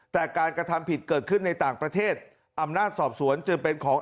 แต่การกระทำผิดเกิดขึ้นในต่างประเทศอำนาจสอบสวนจึงเป็นของ